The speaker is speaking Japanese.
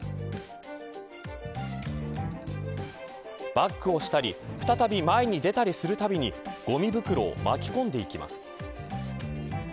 バックをしたり再び前に出たりするたびにごみ袋を巻き込んでいきます。